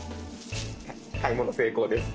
買い物成功です。